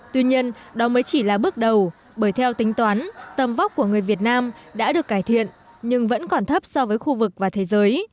tuy nhiên đó mới chỉ là bước đầu bởi theo tính toán tầm vóc của người việt nam đã được cải thiện nhưng vẫn còn thấp so với khu vực và thế giới